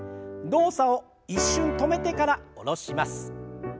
動作を一瞬止めてから下ろします。